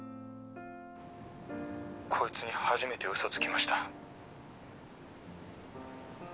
「こいつに初めて嘘つきました」